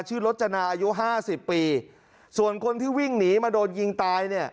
ชื่อรถจนาอายุ๕๐ปีส่วนคนที่วิ่งหนีมาโดนยิงตาย